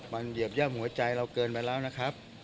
มันเหยียบย่ำหัวใจเราเกินไปแล้วนะครับ